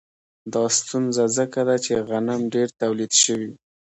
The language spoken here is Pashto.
دا ستونزه ځکه ده چې غنم ډېر تولید شوي